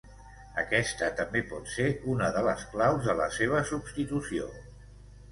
Aquesta també pot ser una de les claus de la seva substitució.